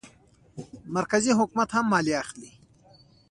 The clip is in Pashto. مرکزي حکومت هم مالیه اخلي.